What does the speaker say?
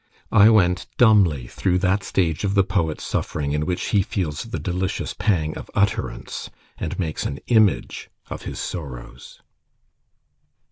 I went dumbly through that stage of the poet's suffering, in which he feels the delicious pang of utterance, and makes an image of his sorrows.